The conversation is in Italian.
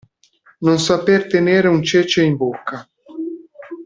Non saper tenere un cece in bocca.